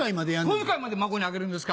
小遣いまで孫にあげるんですか。